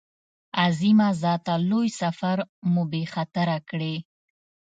عظیمه ذاته لوی سفر مو بې خطره کړې.